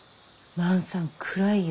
万さん暗いよ。